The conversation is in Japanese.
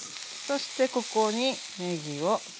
そしてここにねぎを。